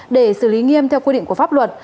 để xử lý nghiêm theo quy định của pháp luật